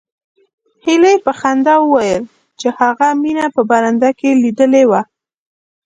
هیلې په خندا وویل چې هغه مینه په برنډه کې لیدلې وه